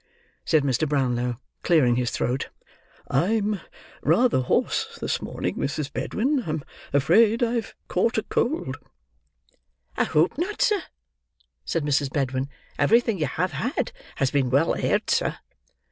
said Mr. Brownlow, clearing his throat. "I'm rather hoarse this morning, Mrs. Bedwin. I'm afraid I have caught cold." "I hope not, sir," said Mrs. Bedwin. "Everything you have had, has been well aired, sir."